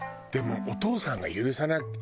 でもお父さんが許さない。